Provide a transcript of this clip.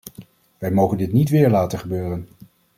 Wij mogen dit niet weer laten gebeuren!